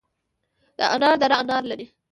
د انار دره انار لري